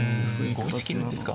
５一香なんですか？